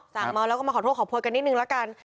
เมาแล้วก็มาขอโทษขอโพยกันนิดนึงละกัน